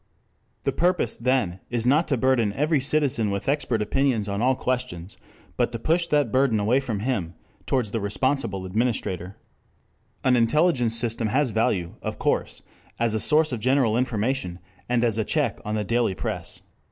The purpose, then, is not to burden every citizen with expert opinions on all questions, but to push that burden away from him towards the responsible administrator. An intelligence system has value, of course, as a source of general information, and as a check on the daily press.